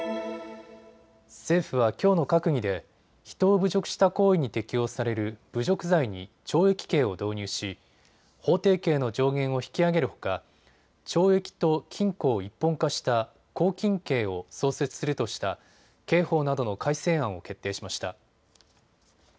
政府はきょうの閣議で人を侮辱した行為に適用される侮辱罪に懲役刑を導入し法定刑の上限を引き上げるか懲役と禁錮を一本化した拘禁刑を創設するとした刑法などの改正案を決定しました。